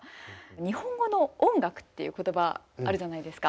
日本語の音楽っていう言葉あるじゃないですか。